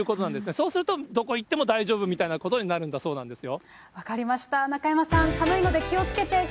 そうするとどこ行っても大丈夫みたいなことになるそうなんですよ。